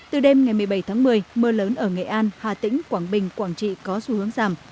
từ đêm ngày một mươi bảy tháng một mươi mưa lớn ở nghệ an hà tĩnh quảng bình quảng trị có xu hướng giảm